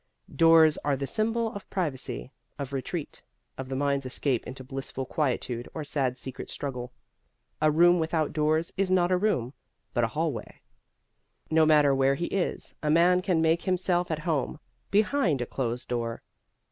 Doors are the symbol of privacy, of retreat, of the mind's escape into blissful quietude or sad secret struggle. A room without doors is not a room, but a hallway. No matter where he is, a man can make himself at home behind a closed door.